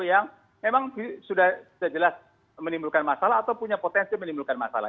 yang memang sudah jelas menimbulkan masalah atau punya potensi menimbulkan masalah